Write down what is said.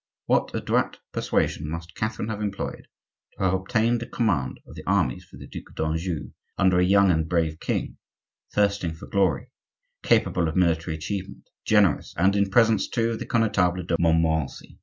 What adroit persuasion must Catherine have employed to have obtained the command of the armies for the Duc d'Anjou under a young and brave king, thirsting for glory, capable of military achievement, generous, and in presence, too, of the Connetable de Montmorency.